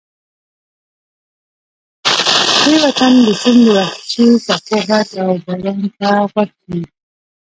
پرېوتم، د سیند د وحشي څپو غږ او باران ته غوږ شوم.